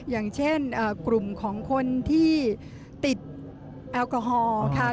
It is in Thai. อย่างเช่นกลุ่มของคนที่ติดแอลกอฮอล์ค่ะ